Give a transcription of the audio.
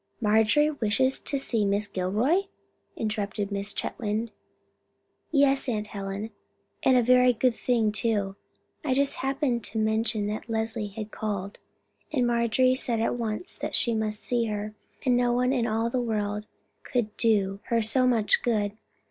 "Marjorie wishes to see Miss Gilroy?" interrupted Mrs. Chetwynd. "Yes, Aunt Helen; and a very good thing too. I just happened to mention that Leslie had called, and Marjorie said at once she must see her, that no one in all the world could do her so much good.